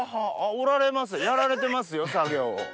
おられますやられてますよ作業を。